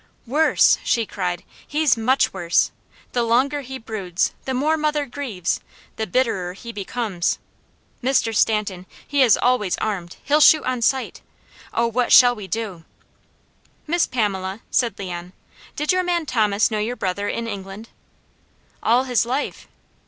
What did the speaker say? "Worse!" she cried. "He's much worse! The longer he broods, the more mother grieves, the bitterer he becomes. Mr. Stanton, he is always armed. He'll shoot on sight. Oh what shall we do?" "Miss Pamela," said Leon, "did your man Thomas know your brother in England?" "All his life."